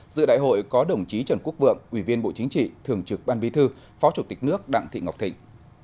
dự đại hội có đồng chí trần quốc vượng ủy viên bộ chính trị thường trực ban bi thư phó chủ tịch nước đặng thị ngọc thịnh